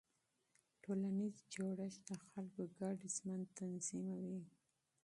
ټولنیز جوړښت د خلکو ګډ ژوند تنظیموي.